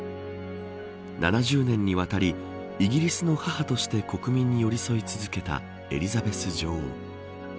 ７０年にわたりイギリスの母として国民に寄り添い続けたエリザベス女王。